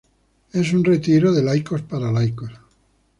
Es un retiro de laicos para laicos.